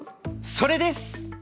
それです！